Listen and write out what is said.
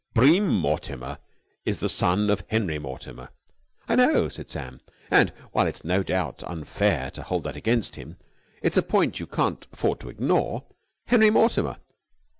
"Bream Mortimer is the son of Henry Mortimer." "I know," said Sam. "And, while it is no doubt unfair to hold that against him, it's a point you can't afford to ignore. Henry Mortimer!